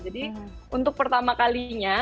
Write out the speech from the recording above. jadi untuk pertama kalinya